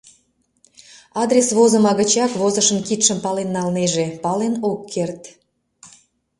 Адрес возыма гычак возышын кидшым пален налнеже — пален ок керт.